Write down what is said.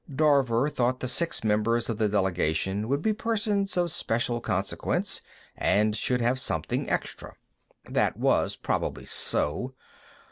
Dorver thought the six members of the delegation would be persons of special consequence, and should have something extra. That was probably so.